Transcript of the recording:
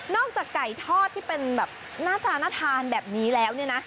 นอกจากไก่ทอดที่เป็นน่าจะน่าทานแบบนี้แล้วเนี่ยนะ